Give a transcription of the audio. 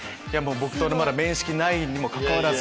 僕とまだ面識ないにもかかわらず。